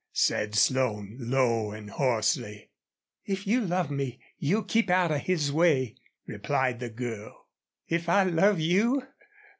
said Slone, low and hoarsely. "If you love me you'll keep out of his way," replied the girl. "If I love you?